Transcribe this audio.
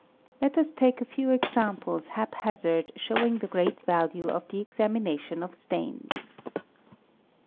Let us take a few examples hap hazard showing the great value of the examination of stains.